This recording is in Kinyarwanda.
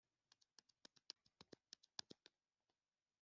Maheru iyo umfashije Tukorora neza Amatungo tubyiruye!